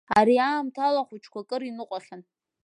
Ари аамҭала ахәыҷқәа акыр иныҟәахьан.